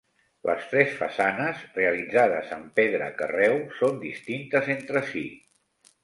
Les tres façanes, realitzades en pedra carreu, són distintes entre si.